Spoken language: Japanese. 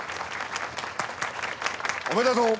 ・おめでとう。